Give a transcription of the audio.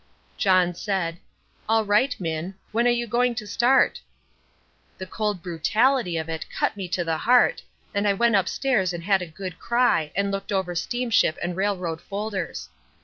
John said, "All right, Minn. When are you going to start?" The cold brutality of it cut me to the heart, and I went upstairs and had a good cry and looked over steamship and railroad folders.